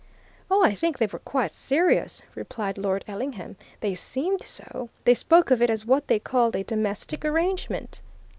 "Oh, I think they were quite serious," replied Lord Ellingham. "They seemed so; they spoke of it as what they called a domestic arrangement."